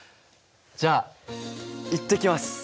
じゃあ行ってきます。